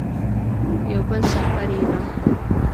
یو بل سفر یې اعلان کړ.